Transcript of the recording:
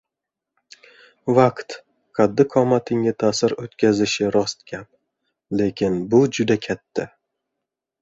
Vaqt qaddi-qomatinga ta’sir o’tkazishi rost gap. Lekin bu juda katta